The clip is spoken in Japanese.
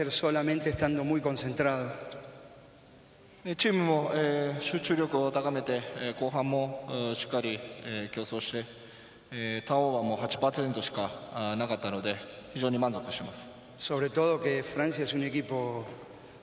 チームも集中力を高めて、後半もしっかり競争して、ターンオーバーも８％しかなかったので非常に満足しています。